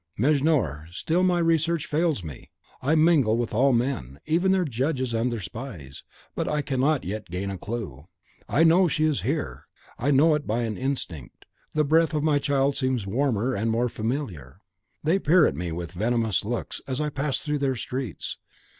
Mejnour, still my researches fail me. I mingle with all men, even their judges and their spies, but I cannot yet gain the clew. I know that she is here. I know it by an instinct; the breath of my child seems warmer and more familiar. They peer at me with venomous looks, as I pass through their streets.